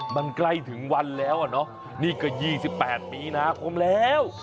มันใกล้ถึงวันแล้วอ่ะเนอะนี่ก็๒๘มีนาคมแล้ว